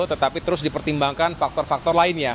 tetapi terus dipertimbangkan faktor faktor lainnya